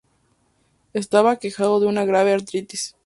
Estaba aquejado de una grave artritis.